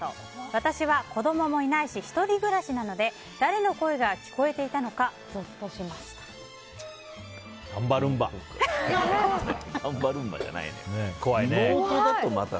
私は子供もいないし１人暮らしなので誰の声が聞こえていたのかゾッとしました。